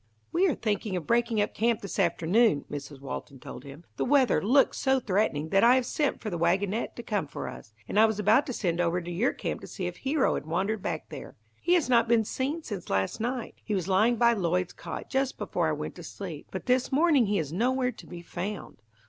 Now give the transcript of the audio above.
"We are thinking of breaking up camp this afternoon," Mrs. Walton told him. "The weather looks so threatening that I have sent for the wagonette to come for us, and I was about to send over to your camp to see if Hero had wandered back there. He has not been seen since last night. He was lying by Lloyd's cot just before I went to sleep, but this morning he is nowhere to be found.